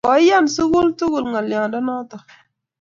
Koiyan sukulit tukul ng'alyondo notok